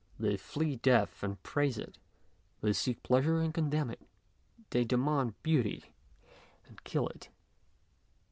They flee death and praise it, they seek pleasure and condemn it, they demand beauty and kill it.